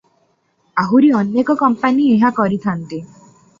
ଆହୁରି ଅନେକ କମ୍ପାନି ଏହା କରିଥାନ୍ତି ।